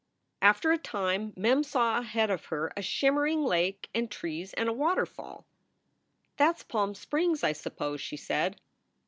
After a time, Mem saw ahead of her a shimmering lake and trees and a waterfall. "That s Palm Springs, I suppose," she said.